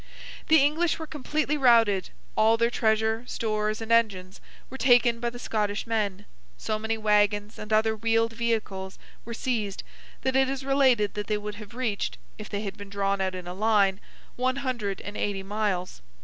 The English were completely routed; all their treasure, stores, and engines, were taken by the Scottish men; so many waggons and other wheeled vehicles were seized, that it is related that they would have reached, if they had been drawn out in a line, one hundred and eighty miles.